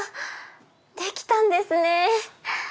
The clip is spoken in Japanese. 出来たんですね。